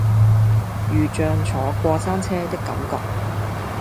如像坐過山車的感覺